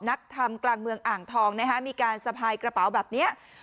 นักทำกลางเมืองอ่างทองนะฮะมีการสะพายกระเป๋าแบบนี้